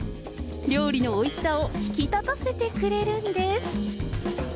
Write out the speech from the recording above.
料理のおいしさを引き立たせてくれるんです。